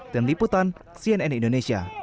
tim liputan cnn indonesia